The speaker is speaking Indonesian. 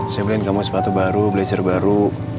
sebelin kamu sepatu baru blazer baru